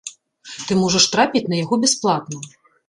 Ты можаш трапіць на яго бясплатна.